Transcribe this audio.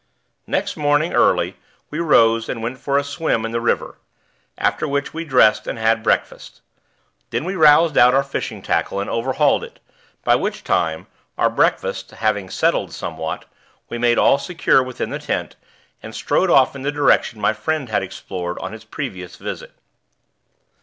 Next morning, early, we rose and went for a swim in the river; after which we dressed and had breakfast. Then we roused out our fishing tackle and overhauled it, by which time, our breakfasts having settled somewhat, we made all secure within the tent and strode off in the direction my friend had explored on his previous visit.